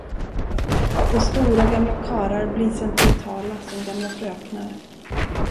Och stora gamla karlar bli sentimentala som gamla fröknar.